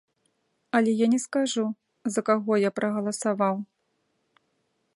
Але я не скажу, за каго я прагаласаваў.